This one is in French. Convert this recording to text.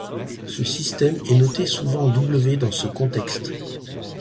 Ce système est noté souvent W dans ce contexte.